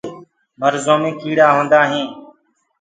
مرجو مي ڪيڙآ هوندآ هين۔